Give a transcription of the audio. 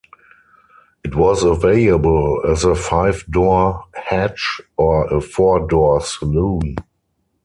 It was available as a five-door hatch or a four-door saloon.